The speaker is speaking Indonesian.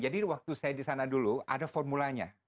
jadi waktu saya di sana dulu ada formulanya